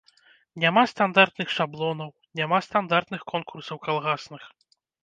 Няма стандартных шаблонаў, няма стандартных конкурсаў калгасных.